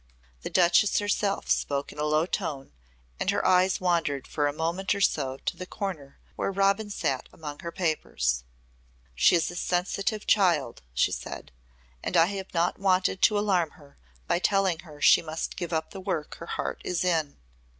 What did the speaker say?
The Duchess herself spoke in a low tone and her eyes wandered for a moment or so to the corner where Robin sat among her papers. "She is a sensitive child," she said, "and I have not wanted to alarm her by telling her she must give up the work her heart is in.